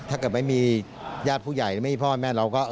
ถ้าเกิดไม่มีญาติผู้ใหญ่หรือไม่มีพ่อแม่เราก็